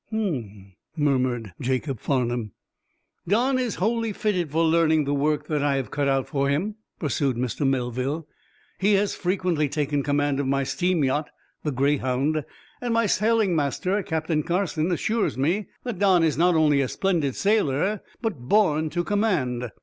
"Hm!" murmured Jacob Farnum. "Don is wholly fitted for learning the work that I have cut out for him," pursued Mr. Melville. "He has frequently taken command of my steam yacht, the 'Greyhound,' and my sailing master, Captain Carson, assures me that Don is not only a splendid sailor, but born to command.